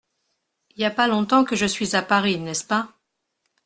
Y a pas longtemps que je suis à Paris, n’est-ce pas…